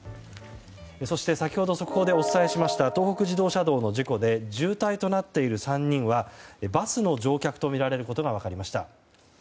そして、先ほど速報でお伝えしました東北自動車道の事故で重体となっている３人はバスの乗客とみられることが分かりました。